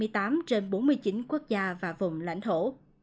trên bốn mươi chín quốc gia và vùng lãnh thổ